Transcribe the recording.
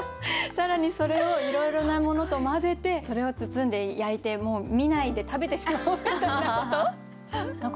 更にそれをいろいろなものと混ぜてそれを包んで焼いてもう見ないで食べてしまおう！みたいなこと？